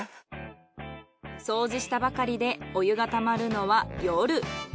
掃除したばかりでお湯が溜まるのは夜。